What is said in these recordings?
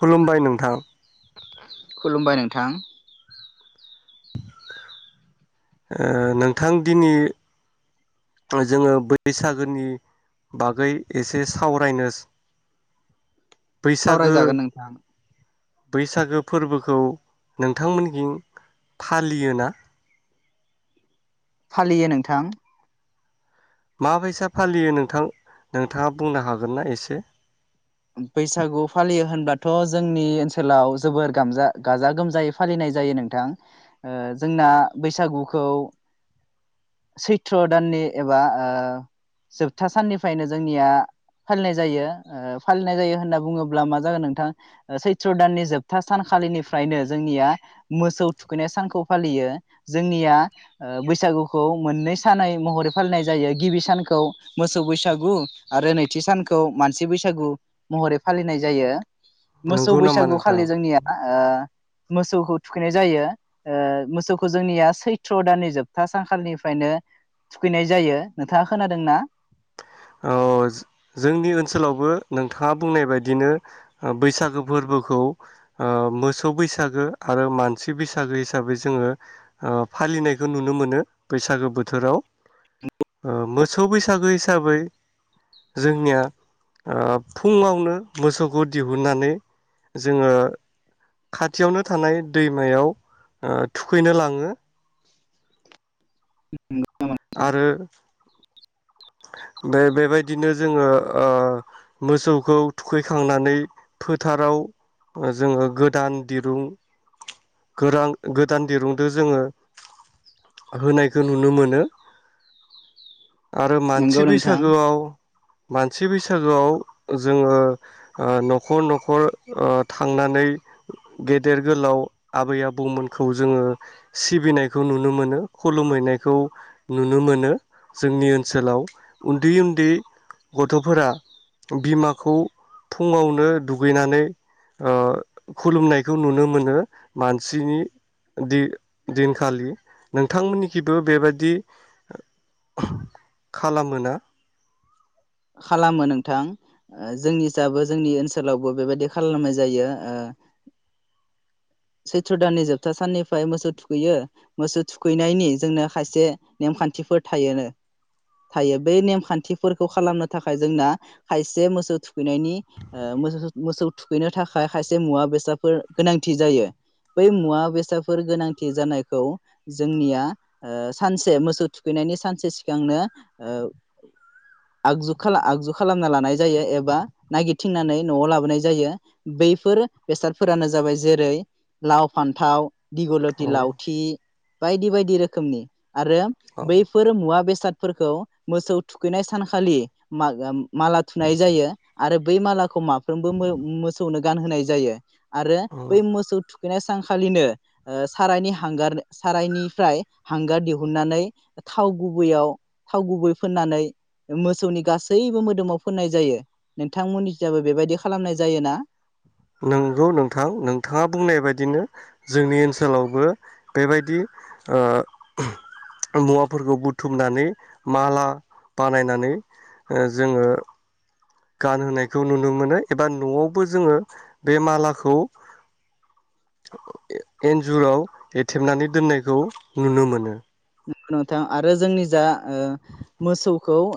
खुलुमबाय नोंथां। खुलुमबाय नोंथां। नोंथां दिनै जोङो बैसागोनि बागै एसे सावरायनोस सावरायजागोन नोंथां। बैसागो फोरबोखौ नोंथांमोनजों फालियोना? फालियो नोंथां। माबैसा फालियो नोंथां नोंथाङा बुंनो हागोन ना एसे? बैसागु फालियो होनब्लाथ जोंनि ओनसोलाव जोबोर गा गाजा गोमजायै फालिनाय जायो नोंथां जोंना बैसागुखौ सैथ्रदाननि एबा जोबथा साननिफ्रायनो जोंनिया फालिनाय जायो। फालिनाय जायो होनना बुङोब्ला मा जागोन नोंथां सैथ्र दाननि जोबथा सानखालिनिफ्रायनो जोंनिया मोसौ थुखैनाय सानखौ फालियो जोंनिया बैसागुखौ मोननै सानै महरै फालिनाय जायो गिबि सानखौ मोसौ बैसागु आरो नैथि सानखौ मानसि बैसागु। महरै फालिनाय जायो। मोसौ नंगौ नामा बैसागु नोंथां खालि जोंनिया मोसौखौ थुखैनाय जायो मोसौखौ जोंनिया सैथ्रनदाननि जोबथा सानखालिनिफ्रायनो थुखैनाय जायो। नोंथाङा खोनादोंना? ओ जोंनि ओनसोलावबो नोंथाङा बुंनाय बायदिनो बैसागो फोरबोखौ मोसौ बैसागो आरो मानसि बैसागो हिसाबै जोङो फालिनायखौ नुनो मोनो बैसागो बोथोराव। ओ मो स बैसागो हिसाबै जोंनिया फुङावनो मोसौखौ दिहुननानै जोङो खाथियावनो थानाय दैमायाव थुखैनो लाङो। आरो बे बेबायदिनो जोङो ओ मोसौखौ थुखैखांनानै फोथाराव ओ जोङो गोदान दिरुं गोरां गोदान दिरुंदो जोङो होनायखौ नुनो मोनो ओ नंगौ मानसि नोंथां बैसागोआव मानसि बैसागोआव जोङो ओ नखर नखर ओ थांनानै गेदेर गोलाव आबै आबौमोनखौ जोङो सिबिनायखौ नुनो मोनो खुलुमहैनायखौ नुनो मोनो जोंनि ओन सोलाव उन्दै उन्दै गथफोरा बिमाखौ फुङावनो दुगैनानै ओ खुलुमनायखौ नुनो मोनो मानसिनि दि दिनखालि नोंथांमोननिखिबो बेबायादि खालामो ना? खालामो नोंथां ओ जोंनिसाबो जोंनि ओनसोलावबो बेबायदि खालामनाय जायो ओ सैथ्रनदाननि जोबथा साननिफ्राय मोसौ थुखैयो मोसौ थुखैनायनि जोंनो खायसे नेमखान्थिफोर थायोनो थायो बे नेमखान्थिफोरखौ खालामनो थाखाय जोंना खायसे मोसौ थुखैनायनि ओ मोमोमोसौ थुखैनो थाखाय खायसे मुवा बेसादफोर गोनांथि जायो बै मुवा बेसादफोर गोनांथि जानायखौ जोंनिया ओ सानसे मोसौ थुखैनायनि सानसे सिगांनो ओ आगजु आगजु खालामना लानाय जायो एबा नागिरथिंनानै नआव लाबोनाय जायो बैफोर बेसादफोरानो जाबाय जेरै लाव फान्थाव दिगलति औ लावथि बायदि बायदि रोखोमनि आरो औ बैफोर मुवा बेसाद फोरखौ मोसौ थुखैनाय सानखालि मागाम माला थुनाय जायो आरो बै मालाखौ माफ्रोमबो मोमोसौनो गानहोनाय जायो आरो औ बै मोसौ थु खैनाय सानखालिनो ओ सारायनि हांगार सारायनिफ्राय हांगार दिहुननानै थाव गुबैयाव थाव गुबै फोननानै मोसौनि गासैबो मोदोमाव फोननाय जायो नोंथांमोननिाबबो बेबायदि खालामनाय जायो ना? नंगौ नोंथां नोंथाङा बुंनाय बायदिनो जोंनि ओनसोलावबो बेबायदि आ मुवाफोरखौ बुथुमनानै माला बानायनानै ओ जोङो गानहोनायखौ नुनो मोनो एबा न'आवबो जोङो बे मालाखौ एन्जुराव एथेबनानै दोननायखौ नुनो मोनो नोनोंथां आरो जोंनि जा ओ मोसौखौ ओ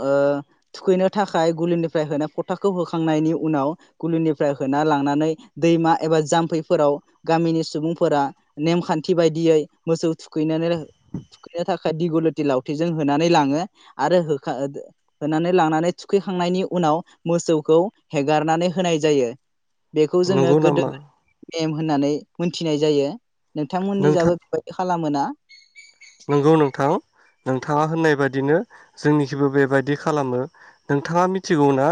थुखैनो थाखाय गुलिनिफ्राय होना फथाखौ होखांनायनि उनाव गुलिनिफ्राय होना लांनानै दैमा एबा जाम्फैफोराव गामिनि सुबुंफोरा नेमखान्थि बायदियै मोसौ थुखैनानै थुखैनो थाखाय दिगुलथि लावथिजों होनानै लाङो आरो होखा दो होनानै लांनानै थुखैखांनायनि उनाव मोसौखौ हेगारनानै होनाय जायो बेखौ जोङो नंगौ गोदो नामा गोदायनि एम होननानै मोनथिनाय जायो नोंथांमोननि नोंथां जाबोयै बेबायदि खालामोना? नंगौ नोंथां नों थाङा होननाय बादिनो जोंनिखिबो बेबायाददि खालामो नोंथाङा मिथिगौना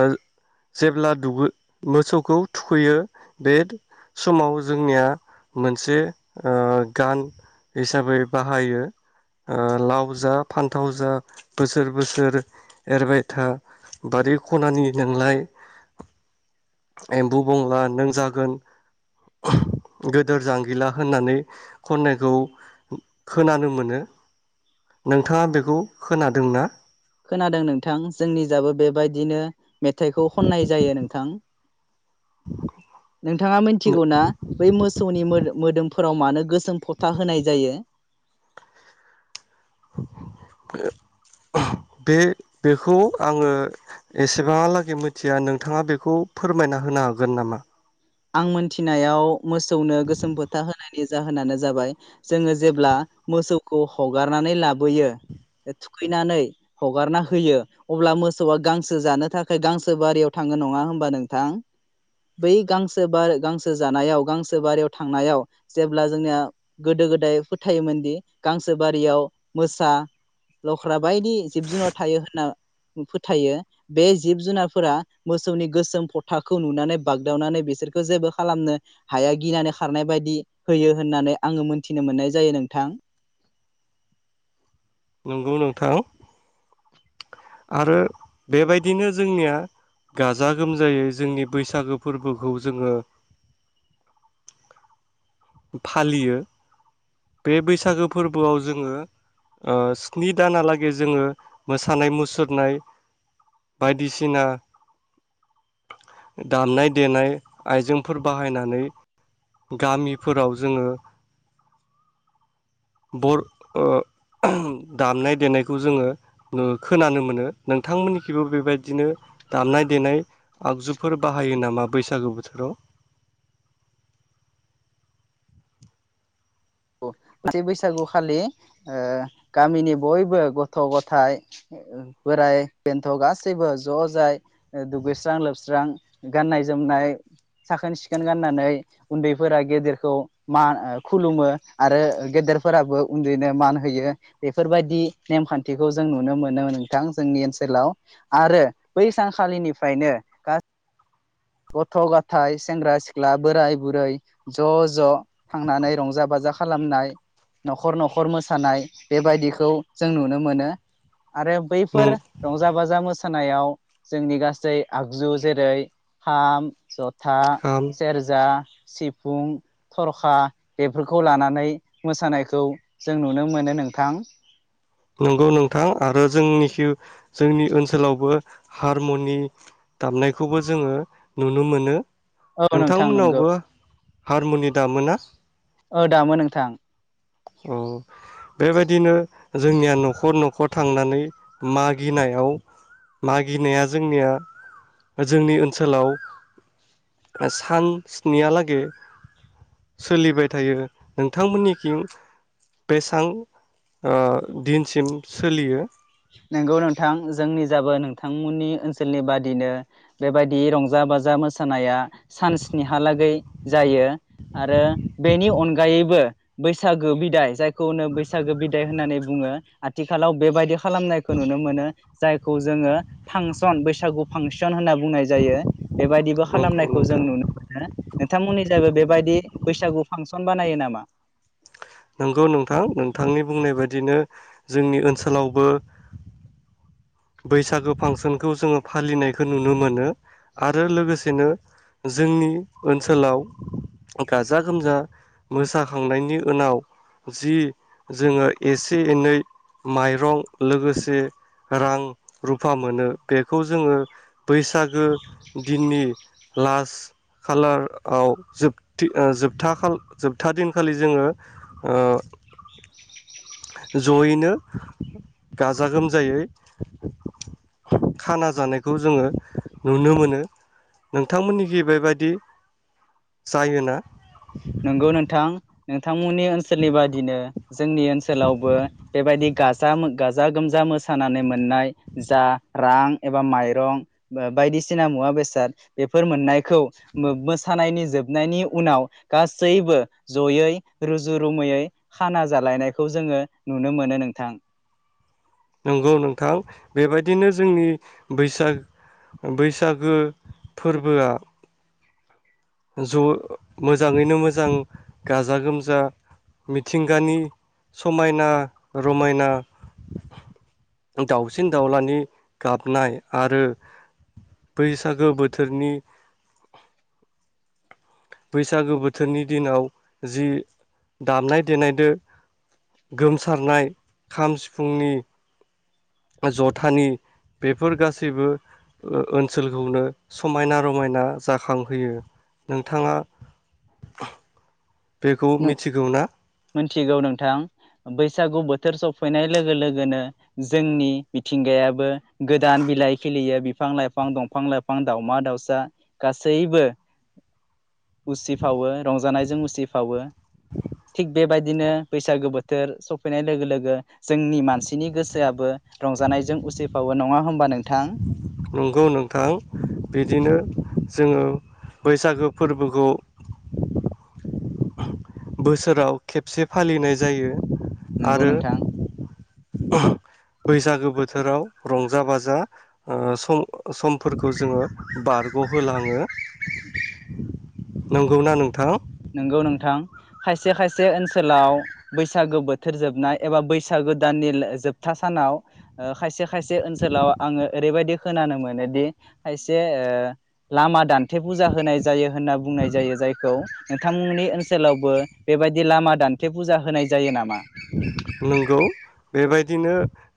ओ जेब्ला दुगै मोसौखौ थुखैयो बे समाव जोंनिया मोनसे ओ गान हिसाबै बाहायो ओ लाव जा फान्थाव जा बोसोर बोसोर एरबायथा बारि खनानि नोंलाय एम्बु बंला नों जागोन गोदोर जांगिला होननानै खननायखौ खोनानो मोनो नोंथाङा बेखौ खोनादोंना खोनादों नोंथां जोंनि जाबो बेबायदिनो मेथाइखौ खननाय जायो नोंथां नोंथाङा मिथिगौ ना बै मोसौनि मोमोदोम फोराव मानो गोसोम फबथा होनाय जायो बे बेखौ आङो एसेबांहालागै मिथिया नोंथाङा बेखौ फोरमायना होनो हागोन नामा? आं मोनथिनायाव मोसौनो गोसोम फोथा होनायनि जाहोनानो जाबाय जोङो जेब्ला मोसौखौ हगारनानै लाबोयो थुखैनानै हगारना होयो अब्ला मोसौआ गांसो जानो थाखाय गांसो बारियाव थाङो नङा होनबा नोंथां बै गांसो बारि गांसो जानायाव गांसो बारियाव थांनायाव जेब्ला जोंनिया गोदो गोदाय फोथायोमोनदि गांसो बारियाव मोसा लख्रा बायदि जिब जुनार थायो होनना फोथायो बे जिब जुनारफोरा मोसौनि गोसोम फथाखौ नुनानै बाग्दावनानै बिसोर खौ जेबो खालामनो हाया गिनानै खारनाय बायदि होयो होननानै आङो मोनथिनो मोननाय जायो नोंथां नंगौ नोंथां आरो बेबायदिनो जोंनिया गाजा गोमजायै जोंनि बैसागो फोरबोखौ जोङो फालियो बे बैसागो फोरबोआव जोङो ओ स्नि दानालागै जोङो मोसानाय मुसुरनाय बायदिसिना दामनाय देनाय आइजेंफोर बाहायनानै गामि फोराव जोङो बर अ दामनाय देनायखौ जोङो ओ खोनानो मोनो नोंथांमोननिखिबो बेबायदिनो दामनाय देनाय आगजुफोर बाहायो नामा बैसागो बोथोराव? बैसागुखालि ओ गामिनि बयबो गथ' गथाय, बोराइ बेन्थ' गासैबो ज' जाय दुगैस्रां लोबस्रां गाननाय जोमनाय साखोन सिखोन गाननानै उन्दैफोरा गेदेरखौ मा खुलुमो आरो गेदेरफोराबो उन्दैनो मान होयो बेफोरबायदि नेमखान्थिखौ जों नुनो मोनो नोंथां जोंनि ओनसोलाव आरो बै सानखालिनिफ्रायनो गासै गथ' गथाय सेंग्रा सिख्ला बोराय बुरै ज' ज' थांनानै रंजा बाजा खालामनाय न'खर न'खर मोसानाय बेबायदिखौ जों नुनो मोनो। आरो नों बैफोर रंजा बाजा मोसा मोसानायाव जोंनि गासै आगजु जेरै खाम, जथा था खाम सेरजा सिफुं, थरखा बेफोरखौ लानानै मोसानायखौ जों नुनो मोनो नोंथां। नंगौ नोंथां आरो जोंनिखि जोंनि ओनसोलावबो हारम'नि दामनायखौबो जोङो नुनो मोनो। औ नोंथां नंगौ नोंथांमोननावबो हारमनि दामोना औ दामो नोंथां। औ बेबायदिनो जोंनिया न'खर न'खर थांनानै मागिनायाव मागिनाया जोंनिया जोंनि ओनसोलाव सान स्नियालागै सोलिबाय थायो। नोंथांमोननिखिं बेसां ओ दिनसिम सोलियो? नंगौ नोंथां जोंनि जाबो नोंथांमोननि ओनसोलनि बादिनो बेबायदि रंजा बाजा मोसानाया सान स्निहालागै जायो। आरो बेनि अनगायैबो बैसागो बिदाय जाय खौनो बैसागो बिदाय होननानै बुङो आथिखालाव बेबायदि खालामनायखौ नुनो मोनो। जायखौ जोङो फांसन बैसागु फांसन होनना बुंनाय जायो। बेबायदिबो नंगौ खालामनायखौ जों नोंथां नुनो मोनो नोंथांमोननि बो बेबायदि बैसागु फांसन बानायो नामा? नंगौ नोंथां नोंथांनि बुंनाय बायदिनो जोंनि ओनसोलावबो बैसागो फांसनखौ जोङो फालिनायखो नुनो मोनो आरो लोगोसेनो जोंनि ओनसोलाव गाजा गोमजा मोसाखांनायनि ओनाव जि जोङो एसे एनै माइरं लोगोसे रां रुफा मोनो बेखौ जोङो बैसागो दिननि लास खालार आव जोबथि ओ जोबथा, जोबथा दिनखालि जोङो ओ ज'यैनो गाजा गोमजायै खाना जानायखौ जोङो नुनो मोनो नोंथांमोननि गि बेबायदि जायोना? नंगौ नोंथां नोंथांमोननि ओनसोलनि बादिनो जोंनि ओनसोलावबो बेबायदि गाजाम गाजा गोमजा मोसानानै मोननाय जा रां एबा माइरं बायदिसिना मुवा बेसाद बेफोर मोननायखौ मोसानायनि जोबनायनि उनाव गासैबो जयै रुजु रुमैयै खाना जालायनायखौ जोङो नुनो मोनो नोंथां। नंगौ नोंथां बेबायदिनो जोंनि बैसाग बैसागो फोरबोआ ज' मोजाङैनो मोजां गाजा गोमजा मिथिंगानि समायना रमायना दाउसिन दाउलानि गाबनाय आरो बैसागो बोथोरनि बैसागो बोथोरनि दिनाव जि दामनाय देनायदो गोमसारनाय खाम सिफुंनि जथानि बेफोर गासैबो ओनसोलखौनो समायना रमायना जाखांहोयो नोंथाङा बेखौ मिथिगौ ना मोनथिगौ नोंथां बैसागु बोथ थोर सफैनाय लोगो लोगोनो जोंनि मिथिंगायाबो गोदान बिलाइ खिलियो बिफां लाइफां दंफां लाइफां दाावमा दाावसा गासैबो उसिफावो रंजानायजों उसि फावो थिग बेबायदिनो बैसागो बोथोर सफैनाय लोगो लोगो जोंनि मानसिनि गोसोआबो रंजानायजों उसिफावो नङा होमबा नों नंगौ नोंथां बिदिनो जोङो बैसागो फोरबोखौ बोसोराव खेबसे फालिनाय जायो। नंगौ आरो नोंथां। बैसागो बोथोराव रंजा बाजा ओ सम समफोरखौ जोङो बारग'होलाङो। [inaudible] नंगौ ना नोंथां? नंगौ नोंथां। खायसे खायसे ओनसोलाव बैसागो बोथोर जोबनाय एबा बैसागो दाननि जोबथा सानाव ओ खायसे खायसे ओनसोलाव आङो ओरैबायदि खोनानो मोनोदि खायसे ओ लामा दान्थे फुजा होनाय जायो होनना बुंनाय जायो जायखौ नोंथांमोननि ओनसोलावबो बेबायदि लामा दान्थे फुजा होनाय जायो नामा? नंगौ बेबायदिनो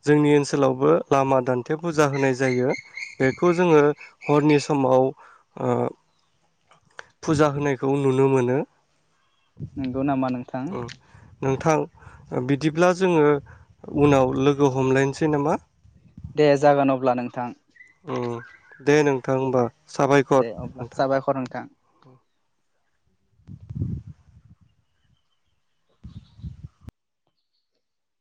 जोंनि ओनसोलावबो लामा दान्थे फुजा होनाय जायो बेखौ जोङो हरनि समाव ओ फुजा होनायखौ नुनो मोनो। नंगौ नामा नोंथां? नोंथां बिदिब्ला जोङो उनाव लोगो हमलायनोसै नामा? दे जागोन अब्ला नोंथां। उम दे नोंथां होमबा। साबायखर दे अब्ला नोंथां। साबायखर नोंथां। [inaudible]